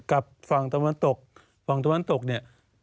กับฝั่งตะวันตกฝั่งตะวันตกเนี่ย